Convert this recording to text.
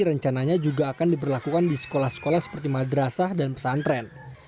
rencananya juga akan diberlakukan di sekolah sekolah seperti madrasah dan pesantren